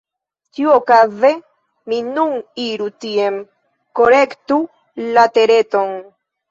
Ĉiuokaze mi nun iru tien, kolektu la Tereton…